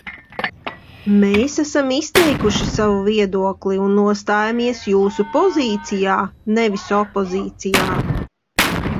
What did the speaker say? Mēs esam izteikuši savu viedokli un nostājamies jūsu pozīcijā, nevis opozīcijā.